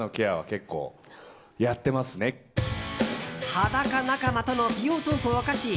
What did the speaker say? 裸仲間との美容トークを明かし